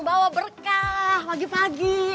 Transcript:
bawa berkah pagi pagi